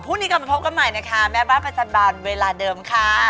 นี้กลับมาพบกันใหม่นะคะแม่บ้านประจำบานเวลาเดิมค่ะ